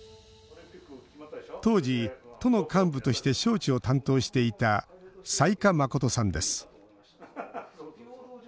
当時、都の幹部として招致を担当していた雜賀真さんです。